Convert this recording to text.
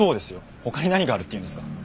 他に何があるって言うんですか？